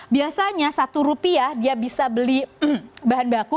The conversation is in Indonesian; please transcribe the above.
biasanya satu rupiah dia bisa beli bahan baku